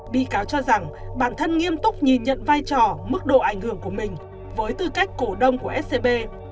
bị cáo cho rằng bản thân nghiêm túc nhìn nhận vai trò mức độ ảnh hưởng của mình với tư cách cổ đông của scb